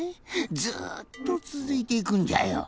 ずっとつづいていくんじゃよ。